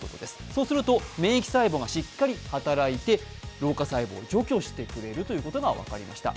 そうすると免疫細胞がしっかり働いて老化細胞を除去してくれることが分かりました。